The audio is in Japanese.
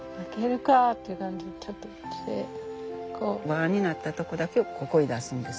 輪になったとこだけをここへ出すんです。